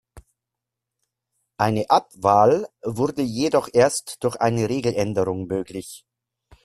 Eine Abwahl wurde jedoch erst durch eine Regeländerung möglich.